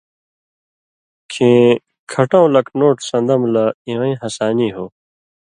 کھیں کھٹؤں لَک نوٹ سَن٘دَم لہ اِوَیں ہسانی ہو۔